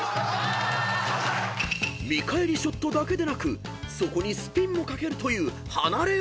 ［見返りショットだけでなくそこにスピンもかけるという離れ業！］